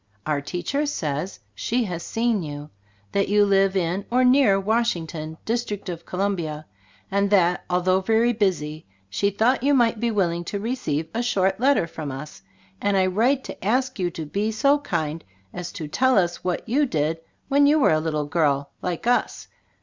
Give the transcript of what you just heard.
Our teacher says she has seen you. That you live in, or near Washington, District of Columbia, and that, although very busy, she .thought you might be willing to re ceive a short letter from us, and I write to ask you to be so kind as to tell us what you did when you were a little girl like us.